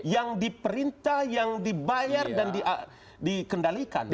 yang diperintah yang dibayar dan dikendalikan